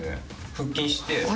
腹筋して。